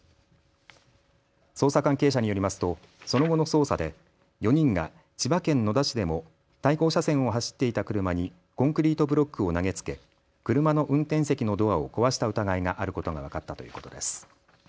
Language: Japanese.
捜査関係者によりますとその後の捜査で４人が千葉県野田市でも対向車線を走っていた車にコンクリートブロックを投げつけ車の運転席のドアを壊した疑いがあることが分かったということです。